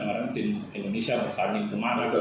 mereka tim indonesia bertanding kemana kemana